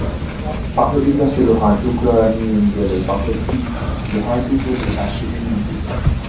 পাথরটির কাছে লোহার টুকরা নিয়ে গেলে পাথরটি লোহার টুকরাকে কাছে টেনে নিত।